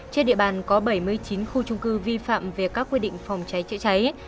trên địa bàn có bảy mươi chín khu trung cư vi phạm về các quy định phòng cháy chữa cháy